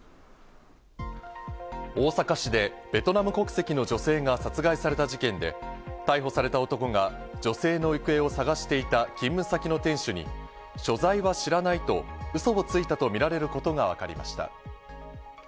大阪市でベトナム国籍の女性が殺害された事件で、逮捕された男が女性の行方を捜していた勤務先の店主に、所在は知らないとウソをついたとみられることがわかりました。